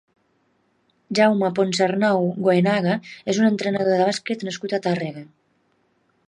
Jaume Ponsarnau Goenaga és un entrenador de bàsquet nascut a Tàrrega.